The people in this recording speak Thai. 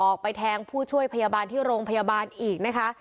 ออกไปแทงผู้ช่วยพยาบาลที่โรงพยาบาลอีกนะคะ